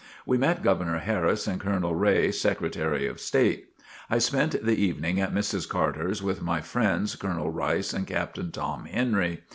We met Governor Harris and Colonel Ray, Secretary of State. I spent the evening at Mrs. Carter's with my friends, Colonel Rice and Captain Tom Henry.